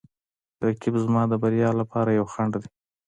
رقیب زما د بریا لپاره یو خنډ دی